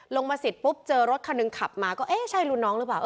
ลงมาสิทธิ์เจอรถคนึงขับมาก็เอ๊ใช่รุ่นน้องหรือเปล่า